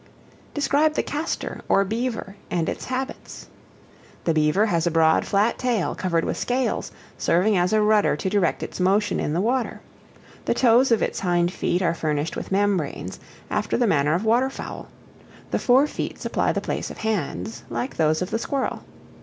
Describe the Castor, or Beaver, and its habits. The Beaver has a broad, flat tail, covered with scales, serving as a rudder to direct its motion in the water; the toes of its hind feet are furnished with membranes, after the manner of water fowl; the fore feet supply the place of hands, like those of the squirrel.